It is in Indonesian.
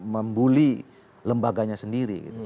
membuli lembaganya sendiri